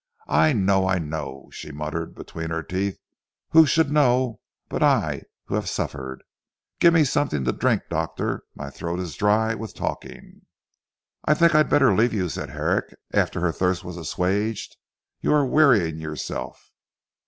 "I know! I know," she muttered between her teeth, "who should know but I who have suffered? Give me something to drink doctor. My throat is dry with talking." "I think I had better leave you," said Herrick after her thirst was assuaged, "you are wearying yourself."